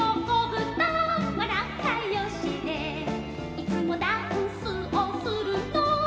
「いつもダンスをするのは」